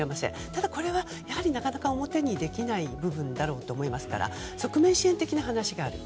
ただ、これはなかなか表にできない部分だろうと思いますから側面支援的な話がある。